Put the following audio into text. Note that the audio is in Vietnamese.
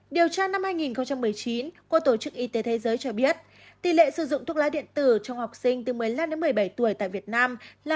điều tra năm hai nghìn một mươi chín của tổ chức y tế thế giới cho biết tỷ lệ sử dụng thuốc lá điện tử trong học sinh từ một mươi năm đến một mươi bảy tuổi tại việt nam là một